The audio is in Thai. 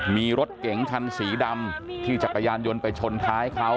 มีรถเก๋งคันสีดำที่จักรยานยนต์ไปชนท้ายเขา